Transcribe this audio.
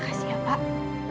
terima kasih ya pak